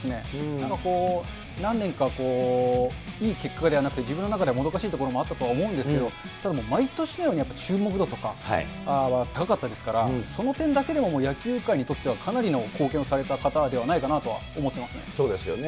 なんかこう、何年か、いい結果が出なくて自分の中ではもどかしいところもあったと思うんですけれども、ただもう毎年のように、注目度とか高かったですから、その点だけでも野球界にとってはかなりの貢献をされた方ではないそうですよね。